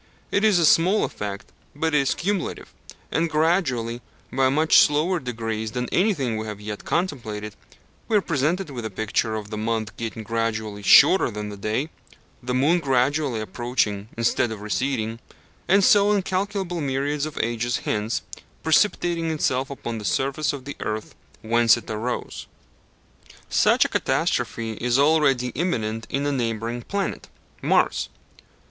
It is a small effect, but it is cumulative; and gradually, by much slower degrees than anything we have yet contemplated, we are presented with a picture of the month getting gradually shorter than the day, the moon gradually approaching instead of receding, and so, incalculable myriads of ages hence, precipitating itself upon the surface of the earth whence it arose. Such a catastrophe is already imminent in a neighbouring planet Mars.